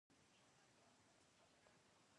له تېرو غلطیو باید زده کړو.